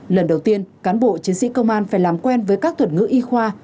lần đầu tiên cán bộ chiến sĩ công an phải làm quen với các thuật ngữ y khoa